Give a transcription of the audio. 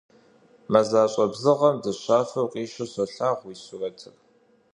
Мазэщӏэ бзыгъэм дыщафэу къищу солъагъу уи сурэтыр.